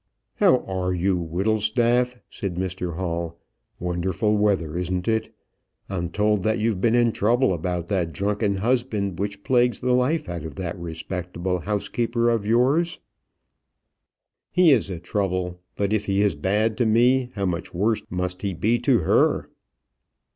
"How are you, Whittlestaff?" said Mr Hall. "Wonderful weather, isn't it? I'm told that you've been in trouble about that drunken husband which plagues the life out of that respectable housekeeper of yours." "He is a trouble; but if he is bad to me, how much worse must he be to her?"